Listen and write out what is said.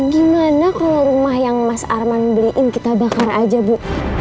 gimana kalau rumah yang mas arman beliin kita bakar aja bu